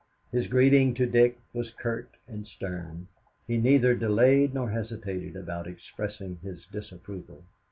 His greeting to Dick was curt and stern. He neither delayed nor hesitated about expressing his disapproval.